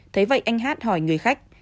thế vậy anh h hỏi người khách